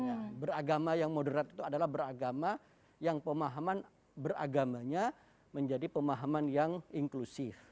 jadi yang pertama yang moderat itu adalah beragama yang pemahaman beragamanya menjadi pemahaman yang inklusif